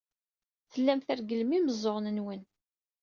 Tellam tregglem imeẓẓuɣen-nwen.